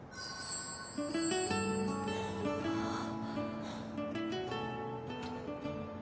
ああ。